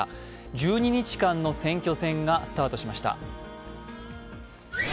１２日間の選挙戦がスタートしました。